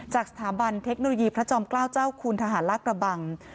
จากสถาบันเทคโนโลยีพระจอมเกล้าเจ้าคุณทหารลากระบัง